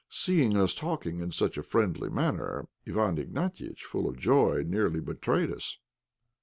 Seeing us talking in such a friendly manner, Iwán Ignatiitch, full of joy, nearly betrayed us.